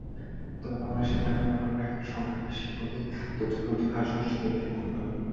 তবে বাংলাদেশে ভাইবার ব্যবহারকারীর সংখ্যা বেশি বলে তথ্যপ্রযুক্তি খাত-সংশ্লিষ্ট ব্যক্তিরা মনে করেন।